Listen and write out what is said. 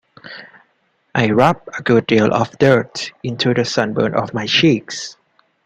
I rubbed a good deal of dirt into the sunburn of my cheeks.